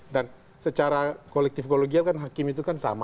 dan secara kolektif ekologi kan hakim itu kan sama